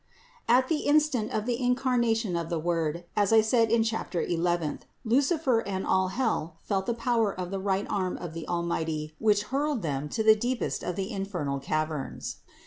322. At the instant of the incarnation of the Word, as I said in chapter eleventh (140), Lucifer and all hell felt the power of the right arm of the Almighty which hurled them to the deepest of the infernal caverns.